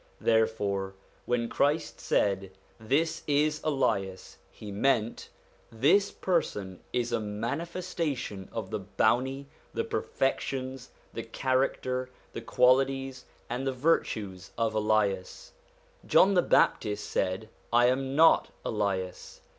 Therefore when Christ said :' This is Elias,' he meant : this person is a manifestation of the bounty, the per fections, the character, the qualities, and the virtues of Elias. John the Baptist said: 'I am not Elias.'